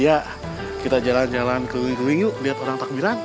iya kita jalan jalan keling keling yuk lihat orang takbiran